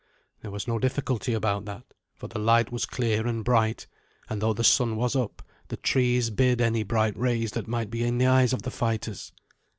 There was no difficulty about that, for the light was clear and bright, and though the sun was up, the trees bid any bright rays that might be in the eyes of the fighters.